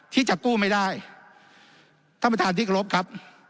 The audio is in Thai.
ที่จะกู้ไม่ได้ท่านประธานที่กรบครับ